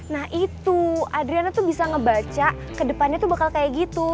nah itu adriana tuh bisa ngebaca kedepannya tuh bakal kayak gitu